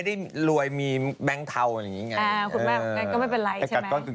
ดูหมดเลยเข้าแหวนอย่างงี้